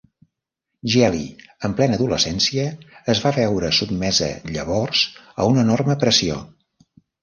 Geli, en plena adolescència, es va veure sotmesa llavors a una enorme pressió.